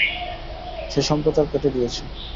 সে সম্প্রচার কেটে দিয়েছে।